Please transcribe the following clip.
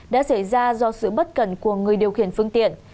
đã xảy ra do sự bất cẩn của người điều khiển phương tiện